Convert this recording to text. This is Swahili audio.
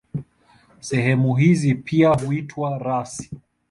Sehemu hizi pia huitwa rasi.